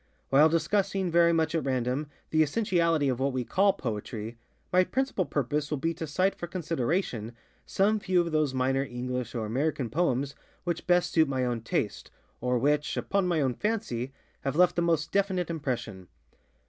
While discussing, very much at random, the essentiality of what we call Poetry, my principal purpose will be to cite for consideration, some few of those minor English or American poems which best suit my own taste, or which, upon my own fancy, have left the most definite impression.